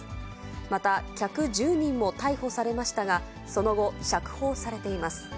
また、客１０人も逮捕されましたが、その後、釈放されています。